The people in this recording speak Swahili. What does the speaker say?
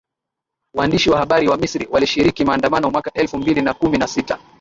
Waandishi wa habari wa Misri walishiriki maandamano mwaka elfu mbili na kumi na sita